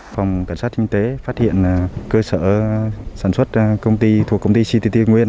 phòng cảnh sát kinh tế phát hiện cơ sở sản xuất công ty thuộc công ty ctt tây nguyên